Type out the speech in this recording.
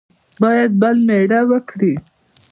باید بل مېړه وکړي.